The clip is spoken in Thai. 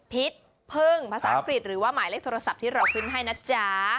พิษพึ่งภาษาอังกฤษหรือว่าหมายเลขโทรศัพท์ที่เราขึ้นให้นะจ๊ะ